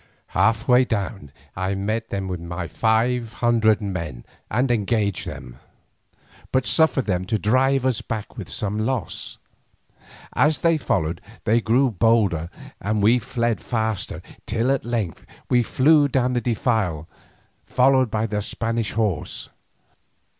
Half way down it I met them with my five hundred men and engaged them, but suffered them to drive us back with some loss. As they followed they grew bolder and we fled faster, till at length we flew down the defile followed by the Spanish horse.